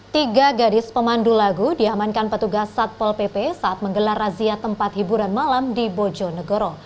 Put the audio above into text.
tiga gadis pemandu lagu diamankan petugas satpol pp saat menggelar razia tempat hiburan malam di bojonegoro